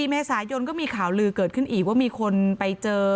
เมษายนก็มีข่าวลือเกิดขึ้นอีกว่ามีคนไปเจอ